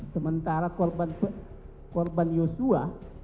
sementara korban yosua